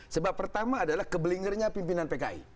sebab pertama adalah kebelingernya pimpinan pki